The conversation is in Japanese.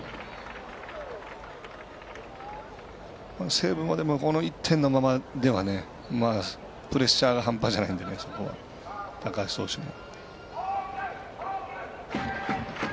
西武もこの１点のままではプレッシャーが半端じゃないので、高橋投手も。